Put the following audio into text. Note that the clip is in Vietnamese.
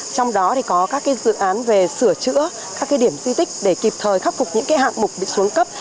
trong đó có các dự án về sửa chữa các điểm di tích để kịp thời khắc phục những hạng mục bị xuống cấp